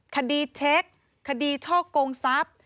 คดีเช็คคดีช่อกงทรัพย์